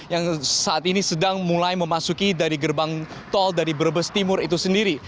yang saat ini sedang mulai memasuki dari gerbang tol dari brebes timur itu sendiri